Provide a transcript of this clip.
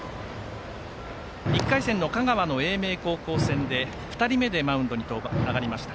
１回戦の香川の英明高校戦で２人目でマウンドに上がりました。